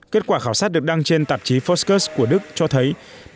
kết quả khảo sát được đăng trên tạp chí foresco của đức cho thấy